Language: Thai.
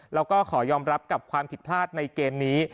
แล้วก็ขอยอมรับกับความผิดพลาดในเกมนี้